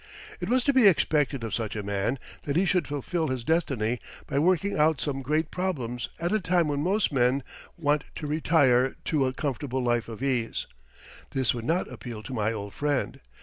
It was to be expected of such a man that he should fulfil his destiny by working out some great problems at a time when most men want to retire to a comfortable life of ease. This would not appeal to my old friend.